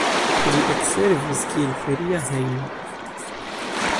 Ĝi ekservis kiel feria hejmo.